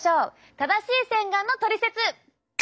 正しい洗顔のトリセツ！